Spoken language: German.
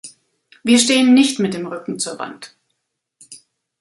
Wir stehen nicht mit dem Rücken zur Wand.